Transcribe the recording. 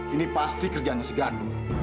ini pasti kerjaannya si gandu